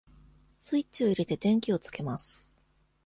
スイッチを入れて、電気をつけます。